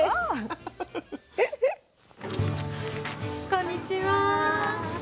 こんにちは！